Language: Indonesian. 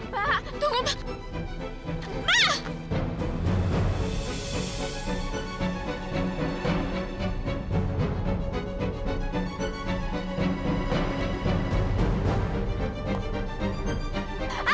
mbak tunggu mbak